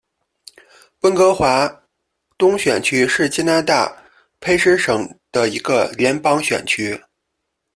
温哥华东选区是加拿大卑诗省的一个联邦选区。